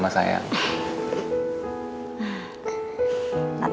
oke siap banget dateng